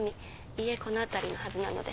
家この辺りのはずなので。